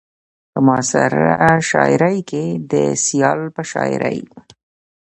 په معاصره شاعرۍ کې د سيال په شاعرۍ